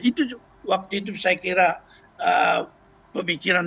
itu waktu itu saya kira pemikiran dasar yang